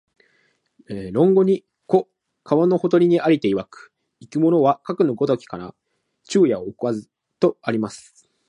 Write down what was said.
論語に、「子、川のほとりに在りていわく、逝く者はかくの如きかな、昼夜をおかず」とあります